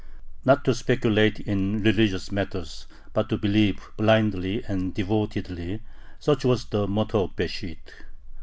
Not to speculate in religious matters, but to believe blindly and devotedly, such was the motto of Besht.